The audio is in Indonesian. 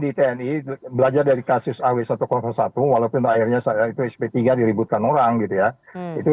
di tni belajar dari kasus aw satu satu walaupun akhirnya itu sp tiga diributkan orang gitu ya itu